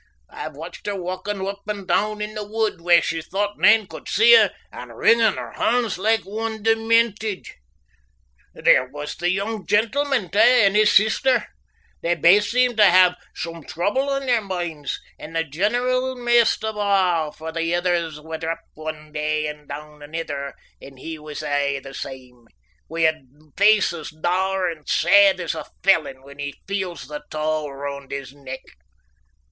I've watched her walkin' up and doon in the wood where she thought nane could see her and wringin' her honds like one demented. There was the young gentleman, tae, and his sister they baith seemed to hae some trouble on their minds, and the general maist of a', for the ithers were up ane day and down anither; but he was aye the same, wi' a face as dour and sad as a felon when he feels the tow roond his neck.